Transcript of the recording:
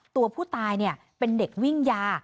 ตัวผู้ตายเป็นเด็กวิ่งยา